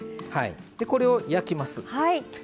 これを焼きます。